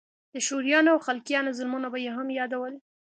د شورويانو او خلقيانو ظلمونه به يې هم يادول.